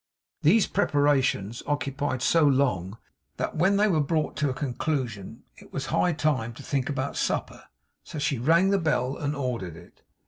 These preparations occupied so long, that when they were brought to a conclusion it was high time to think about supper; so she rang the bell and ordered it.